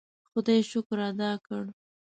خدای شکر ادا کړ.